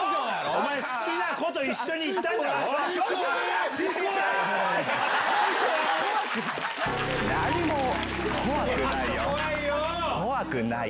お前、好きな子と一緒に行っ怖い。